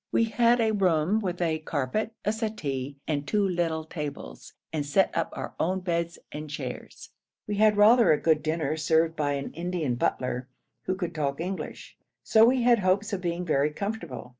We had a room with a carpet, a settee, and two little tables, and set up our own beds and chairs. We had rather a good dinner served by an Indian butler who could talk English, so we had hopes of being very comfortable.